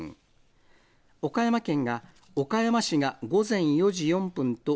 岡山県が岡山市が午前４時４分と